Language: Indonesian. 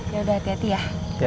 yaudah hati hati ya